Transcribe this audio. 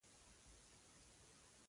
د سردار شېرعلي په نوم ګورنر پکې ټاکلی وو.